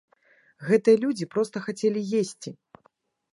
Гэтыя людзі проста хацелі есці.